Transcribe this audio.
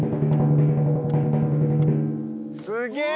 すげえ！